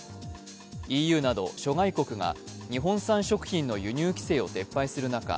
ＥＵなど諸外国が日本産食品の輸入規制を撤廃する中